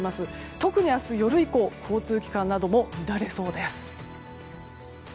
特に明日夜以降交通機関なども乱れそうです。